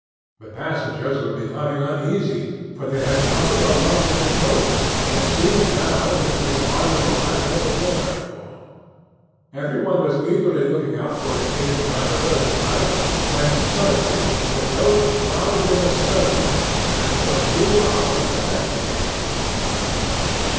The passengers were becoming uneasy, for they had counted on lunching at Totes, and it seemed now as if they would hardly arrive there before nightfall. Every one was eagerly looking out for an inn by the roadside, when, suddenly, the coach foundered in a snowdrift, and it took two hours to extricate it.